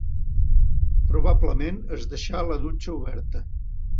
Probablement, es deixà la dutxa oberta.